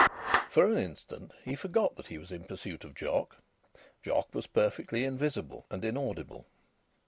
For an instant he forgot that he was in pursuit of Jock. Jock was perfectly invisible and inaudible.